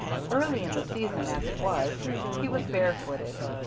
Early in the season as it was, he was barefooted.